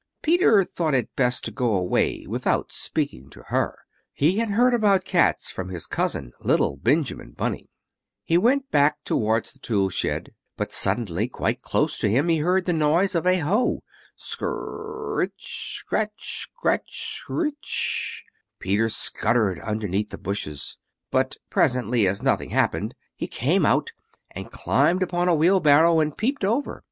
Peter thought it best to go away without speaking to her; he had heard about cats from his cousin, little Benjamin Bunny. He went back towards the tool shed, but suddenly, quite close to him, he heard the noise of a hoe scr r ritch, scratch, scratch, scritch. Peter scuttered underneath the bushes. But presently, as nothing happened, he came out, and climbed upon a wheelbarrow and peeped over.